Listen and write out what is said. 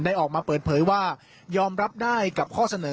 ออกมาเปิดเผยว่ายอมรับได้กับข้อเสนอ